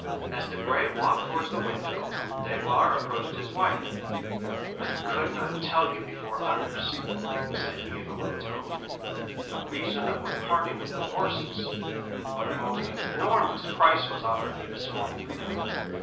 As Debray walked towards the window, Danglars approached his wife. "I could not tell you before others," said he in a low tone, "the reason of my parting with the horses; but a most enormous price was offered me this morning for them.